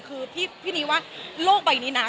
คือพี่นีว่าโลกใบนี้นะ